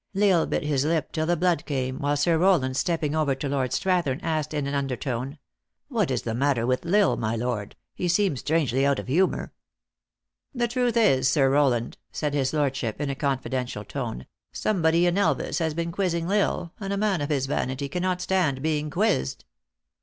L Isle bit his lip till the blood came, while Sir Row land, stepping over to Lord Strathern, asked in an un dertone :" What is the matter with L Isle, my lord ? he seems strangely out of humor." " The truth is, Sir Rowland," said his lordship, in a confidential tone, "somebody in Elvas has been quiz zing L Isle, and a man of his vanity cannot stand be ing quizzed."